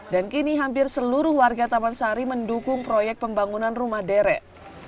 dan kini hampir seluruh warga taman sari mendukung proyek pembangunan rumah deret